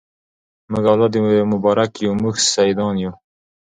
موږ اولاد د مبارک یو موږ سیدان یو